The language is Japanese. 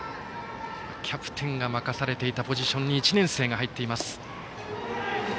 キャプテンが任されていたポジションに１年生が入っています。